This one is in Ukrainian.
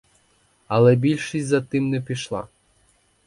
Але більшість за тим не пішла.